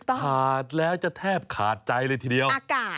ขาดแล้วจะแทบขาดใจเลยทีเดียว